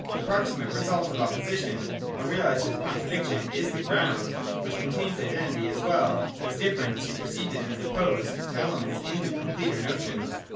The proximate result of opposition (when realised as con tradiction) is the Ground, which contains identity as well as difference superseded and deposed to elements in the com pleter notion.